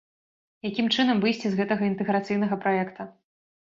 Якім чынам выйсці з гэтага інтэграцыйнага праекта?